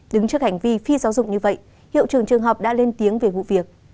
đứng trước hành vi phi giáo dục như vậy hiệu trường trường học đã lên tiếng về vụ việc